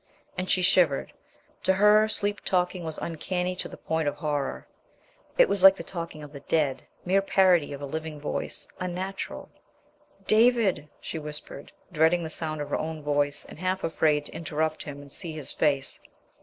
And she shivered. To her, sleep talking was uncanny to the point of horror; it was like the talking of the dead, mere parody of a living voice, unnatural. "David!" she whispered, dreading the sound of her own voice, and half afraid to interrupt him and see his face.